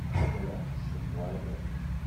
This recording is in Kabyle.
Walaɣ-k tessewwayeḍ.